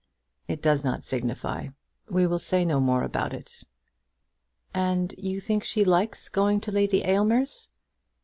"It does not signify; we will say no more about it." "And you think she likes going to Lady Aylmer's?"